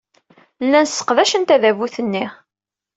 Llan sseqdacen tadabut-nni.